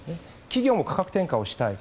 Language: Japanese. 企業も価格転嫁したい。